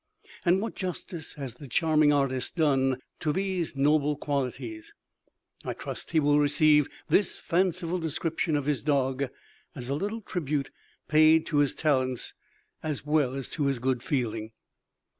and what justice has the charming artist done to these noble qualities! I trust he will receive this fanciful description of his dog as a little tribute paid to his talents, as well as to his good feeling.